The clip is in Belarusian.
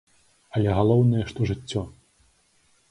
Але галоўнае, што жыццё.